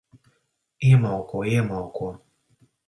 Iemalko. Iemalko.